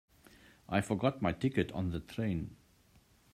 I forgot my ticket on the train.